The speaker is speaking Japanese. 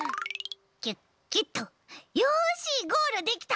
キュッキュッとよしゴールできた！